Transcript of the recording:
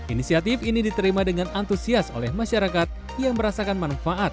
inisiatif ini diterima dengan antusias oleh masyarakat yang merasakan manfaat